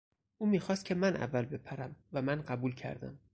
او میخواست که من اول بپرم و من قبول کردم.